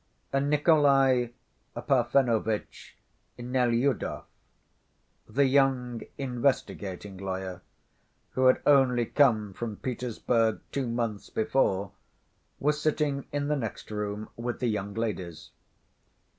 Nikolay Parfenovitch Nelyudov, the young investigating lawyer, who had only come from Petersburg two months before, was sitting in the next room with the young ladies.